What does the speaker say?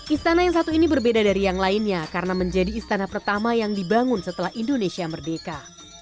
istana yang satu ini berbeda dari yang lainnya karena menjadi istana pertama yang dibangun setelah indonesia merdeka